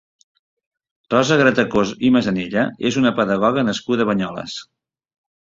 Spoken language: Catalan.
Rosa Gratacós i Masanella és una pedagoga nascuda a Banyoles.